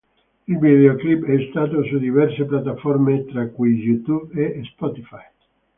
Il videoclip è stato su diverse piattaforme tra cui YouTube e Spotify.